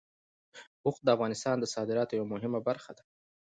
اوښ د افغانستان د صادراتو یوه مهمه برخه ده.